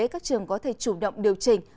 các trường có thể chủ động điều chỉnh